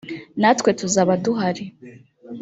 natwe tuzaba duhari